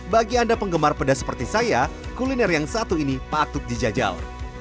bagi anda penggemar pedas seperti saya kuliner yang satu ini patut dijajal